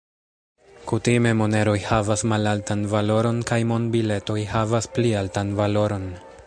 Kutime, moneroj havas malaltan valoron kaj monbiletoj havas pli altan valoron.